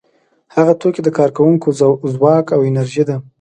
هغه توکي د کارکوونکو ځواک او انرژي ده